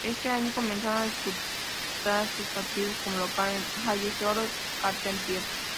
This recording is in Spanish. Ese año comenzaron a disputar sus partidos como local en el Halle Georges Carpentier.